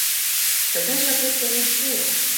Тыгай жапет толын шуо...